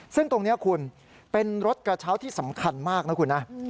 ซึ่งตรงนี้คุณเป็นรถกระเช้าที่สำคัญมากนะคุณนะ